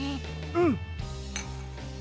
うん。